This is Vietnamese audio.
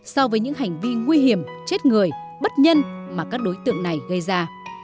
so với những hành vi nguy hiểm chết người bất nhân mà các đối tượng này gây ra